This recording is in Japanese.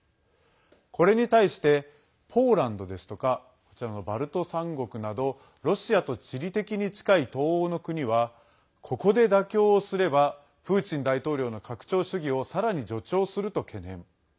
これに対してポーランドですとかこちらのバルト３国などロシアと地理的に近い東欧の国はここで妥協をすればプーチン大統領の拡張主義をさらに助長すると懸念。